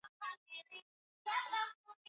mgonjwa anaweza kupoteza uzito kupita kiasi